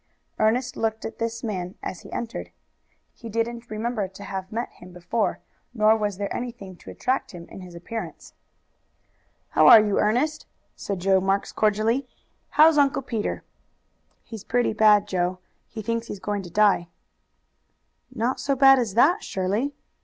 Ernest looked at this man as he entered. He didn't remember to have met him before, nor was there anything to attract him in his appearance. "How are you, Ernest?" said Joe Marks cordially. "How's Uncle Peter?" "He's pretty bad, Joe. He thinks he's going to die." "Not so bad as that, surely?"